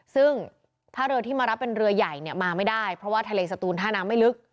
ซึ่งถ้าเรือที่มารับเป็นเรือใหญ่เนี่ยมาไม่ได้เพราะว่าทะเลสตูนท่าน้ำไม่ลึก